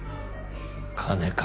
金か？